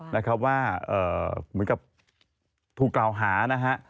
บอกกับถูกล่าวหานะครับ